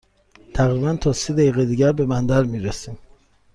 تقریباً تا سی دقیقه دیگر به بندر می رسیم.